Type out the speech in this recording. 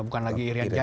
bukan lagi irian jaya